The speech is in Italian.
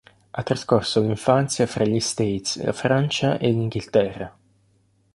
Ha trascorso l'infanzia fra gli States, la Francia e l'Inghilterra.